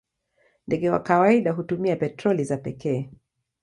Ndege kwa kawaida hutumia petroli za pekee.